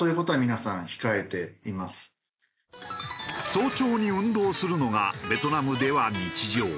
早朝に運動するのがベトナムでは日常。